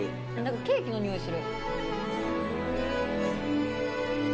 ケーキのにおいする。